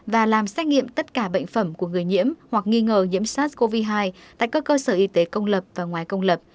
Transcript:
và làm xét nghiệm tất cả bệnh phẩm của người nhiễm hoặc nghi ngờ nhiễm sars cov hai tại các cơ sở y tế công lập và ngoài công lập